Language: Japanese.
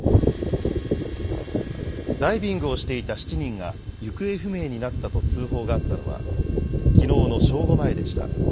ダイビングをしていた７人が行方不明になったと通報があったのは、きのうの正午前でした。